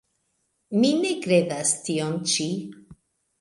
Mi ne kredas tion ĉi.